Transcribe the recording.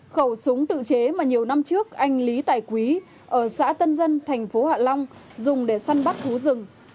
khẩu súng tự chế mà nhiều năm trước anh lý tài quý ở xã tân dân tp hạ long dùng để săn bắt hú rừng